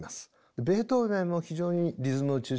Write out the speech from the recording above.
ベートーヴェンも非常にリズムを中心に置いている。